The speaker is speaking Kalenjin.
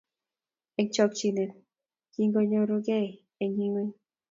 eng chokchinet kiginyorugei eng ingweny